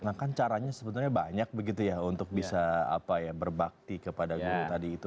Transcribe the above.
nah kan caranya sebenarnya banyak begitu ya untuk bisa berbakti kepada guru tadi itu